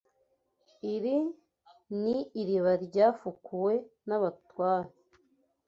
Iri ni iriba ryafukuwe n’abatware